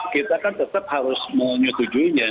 kita kan tetap harus menyetujuinya